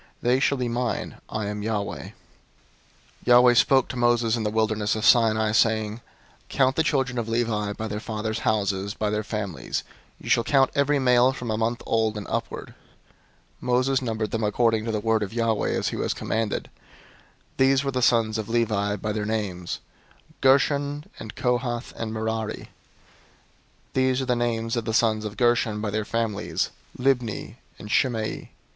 They shall be mine. I am Yahweh." 003:014 Yahweh spoke to Moses in the wilderness of Sinai, saying, 003:015 "Number the children of Levi by their fathers' houses, by their families: every male from a month old and upward shall you number." 003:016 Moses numbered them according to the word of Yahweh, as he was commanded. 003:017 These were the sons of Levi by their names: Gershon, and Kohath, and Merari. 003:018 These are the names of the sons of Gershon by their families: Libni and Shimei.